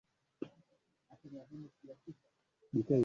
Akaomba jambo moja kwao wamwite Mama